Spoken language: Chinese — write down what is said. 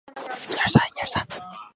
此说法已经逐渐没落。